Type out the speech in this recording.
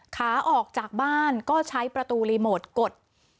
ขาออกจากบ้านก็ใช้ประตูรีโมทกด